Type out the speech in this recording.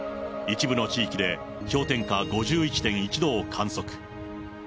一部の地域で氷点下５１．１度を観測。